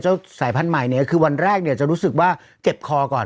สายพันธุ์ใหม่เนี่ยคือวันแรกเนี่ยจะรู้สึกว่าเจ็บคอก่อน